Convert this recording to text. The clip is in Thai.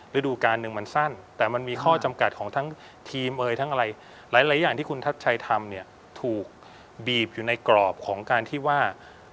ฤดูการหนึ่งมันสั้นแต่มันมีข้อจำกัดของทั้งทีมเอ่ยทั้งอะไรหลายอย่างที่คุณทัชชัยทำเนี่ยถูกบีบอยู่ในกรอบของการที่ว่า